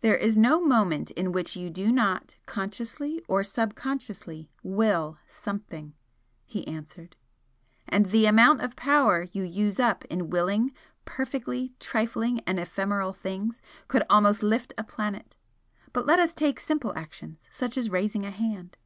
"There is no moment in which you do not, consciously or subconsciously, 'will' something" he answered "And the amount of power you use up in 'willing' perfectly trifling and ephemeral things, could almost lift a planet! But let us take simple actions such as raising a hand.